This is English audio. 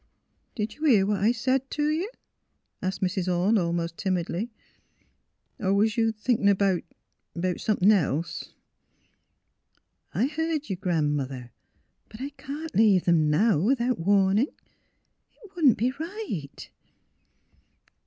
'' Did you hear what I said t' you? " asked Mrs. Orne, almost timidly. " Or was you thinkin' 'bout — 'bout somethin' else? "'' I heard you, Gran 'mother! But I can't leave them now, without warning. It wouldn't be right.